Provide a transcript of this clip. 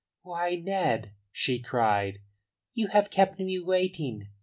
"Why, Ned," she cried, "you have kept me waiting."